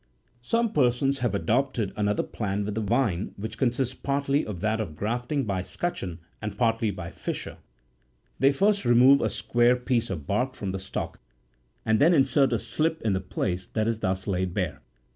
Some persons have adopted another plan with the vine, which consists partly of that of grafting by scutcheon, and partly by fissure ; they first remove a square piece of bark from the stock, and then insert a slip in the place that is thus laid bare.